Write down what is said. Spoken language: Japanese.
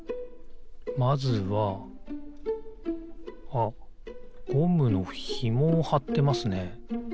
あっゴムのひもをはってますね。